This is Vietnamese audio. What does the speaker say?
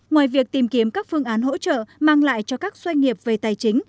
ngoài việc tìm kiếm các phương án hỗ trợ mang lại cho các doanh nghiệp về tài chính